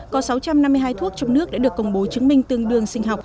có sáu trăm năm mươi hai thuốc trong nước đã được công bố chứng minh tương đương sinh học